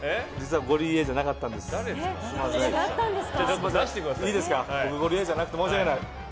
僕、ゴリエじゃなくて申し訳ない。